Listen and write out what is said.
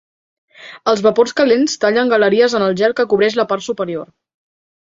Els vapors calents tallen galeries en el gel que cobreix la part superior.